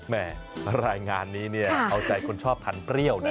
แม่รายงานนี้เนี่ยเอาใจคนชอบทานเปรี้ยวนะ